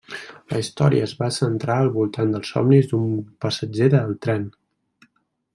La història es va centrar al voltant dels somnis d'un passatger del tren.